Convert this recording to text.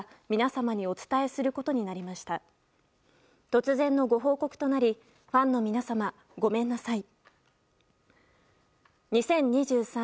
突然のご報告となりファンの皆様、ごめんなさい。